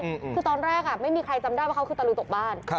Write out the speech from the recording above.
คือตอนแรกอ่ะไม่มีใครจำได้ว่าเขาคือตะลุยตกบ้าน